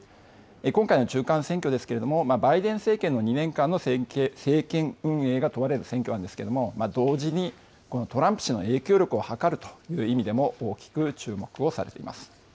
今回の中間選挙ですけれども、バイデン政権の２年間の政権運営が問われる選挙なんですけれども、同時にトランプ氏の影響力を測るという意味でも大きく注目をされています。